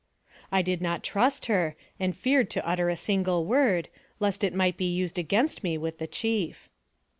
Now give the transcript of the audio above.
I did not trust her, and feared to utter a single word, lest it might be used against me with the chief.